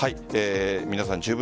皆さん